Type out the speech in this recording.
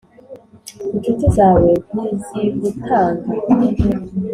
inshuti zawe ntizibutanga....